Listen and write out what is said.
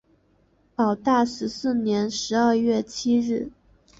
保大十四年十二月七日。